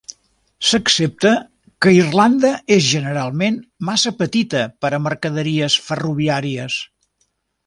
S'accepta que Irlanda és generalment massa petita per a mercaderies ferroviàries.